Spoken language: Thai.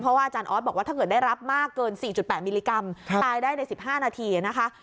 เพราะว่าอาจารย์ออสบอกว่าถ้าเกิดได้รับมากเกิน๔๘มิลลิกรัมตายได้ใน๑๕นาทีนะคะ